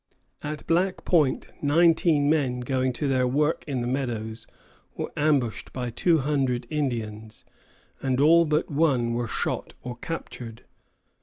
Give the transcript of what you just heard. At Black Point nineteen men going to their work in the meadows were ambushed by two hundred Indians, and all but one were shot or captured.